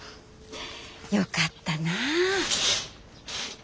よかったな。